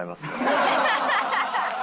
ハハハハ！